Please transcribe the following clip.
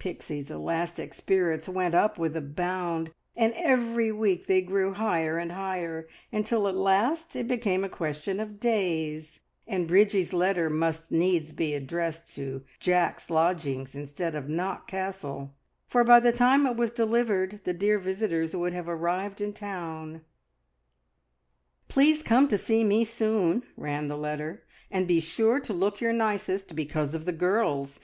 Pixie's elastic spirits went up with a bound, and every week they grew higher and higher, until at last it became a question of days, and Bridgie's letter must needs be addressed to Jack's lodgings instead of Knock Castle, for by the time it was delivered the dear visitors would have arrived in town. "Please come to see me soon," ran the letter, "and be sure to look your nicest, because of the girls!